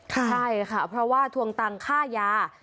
ใช่ค่ะเพราะว่าทวงตังค่ายา